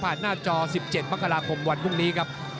หน้าจอ๑๗มกราคมวันพรุ่งนี้ครับ